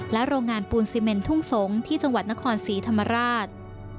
โรงงานปูนซีเมนทุ่งสงศ์ที่จังหวัดนครศรีธรรมราช